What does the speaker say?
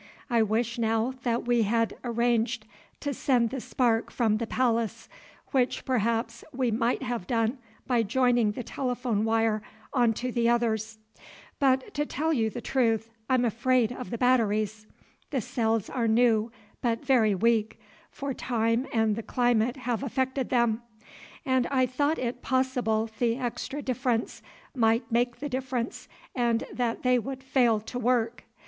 I wish now that we had arranged to send the spark from the palace, which perhaps we might have done by joining the telephone wire on to the others. But, to tell you the truth, I'm afraid of the batteries. The cells are new but very weak, for time and the climate have affected them, and I thought it possible the extra distance might make the difference and that they would fail to work.